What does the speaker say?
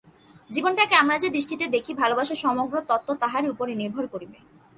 জীবনটাকে আমরা যে দৃষ্টিতে দেখি, ভালবাসার সমগ্র তত্ত্ব তাহারই উপর নির্ভর করিবে।